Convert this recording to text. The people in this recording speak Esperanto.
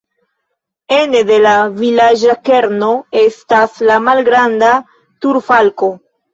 Ene de la vilaĝa kerno estas la malgranda turfalko.